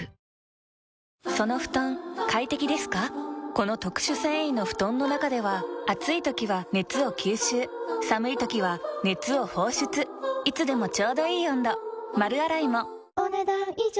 この特殊繊維の布団の中では暑い時は熱を吸収寒い時は熱を放出いつでもちょうどいい温度丸洗いもお、ねだん以上。